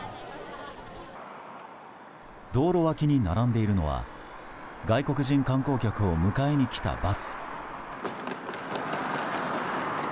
道路脇に並んでいるのは外国人観光客を迎えに来たバス。